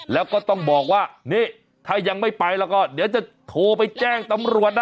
แล้วก็ต้องบอกว่านี่ถ้ายังไม่ไปแล้วก็เดี๋ยวจะโทรไปแจ้งตำรวจนะ